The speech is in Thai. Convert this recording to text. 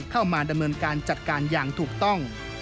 เข้ามาดำเนินการจัดการอย่างถูกต้อง